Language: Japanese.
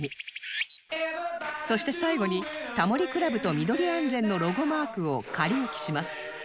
そして最後に『タモリ倶楽部』とミドリ安全のロゴマークを仮置きします